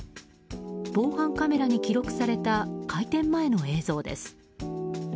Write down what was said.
防犯カメラに記録された開店前の映像です。